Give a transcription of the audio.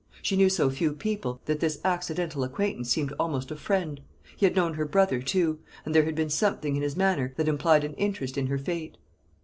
She knew so few people, that this accidental acquaintance seemed almost a friend. He had known her brother, too; and there had been something in his manner that implied an interest in her fate.